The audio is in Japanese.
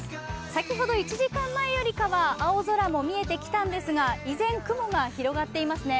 先ほど１時間前よりかは青空も見えてきたんですが、依然、雲が広がっていますね。